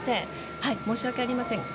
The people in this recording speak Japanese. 申し訳ありません。